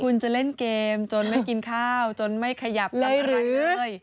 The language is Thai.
มันจะเล่นเกมจนไม่กินข้าวจนไม่ขยับทำอะไรเลย